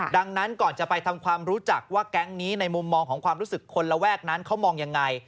ดังนั้นก่อนจะไปทำความรู้จักว่าแก๊งนี้ในมุมมองของความรู้สึกคนระแวกนั้นเขามองยังไง